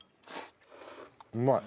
うまい。